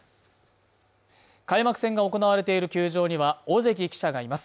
開幕戦が行われている球場には尾関記者がいます。